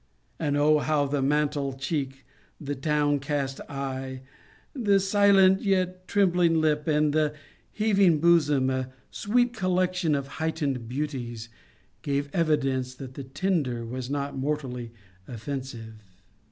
And O how the mantle cheek, the downcast eye, the silent yet trembling lip, and the heaving bosom, a sweet collection of heightened beauties, gave evidence that the tender was not mortally offensive!